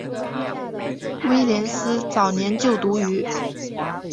威廉斯早年就读于。